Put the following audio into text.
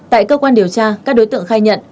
tại cơ quan điều tra các đối tượng khai nhận